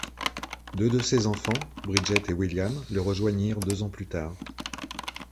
Deux de ses enfants, Bridget et William le rejoignirent deux ans plus tard.